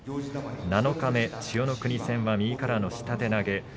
七日目、千代の国戦は右からの下手投げ